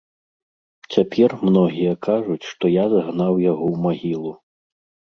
Цяпер многія кажуць, што я загнаў яго ў магілу.